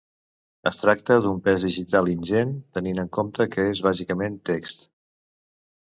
Es tracta d’un pes digital ingent, tenint en compte que és bàsicament text.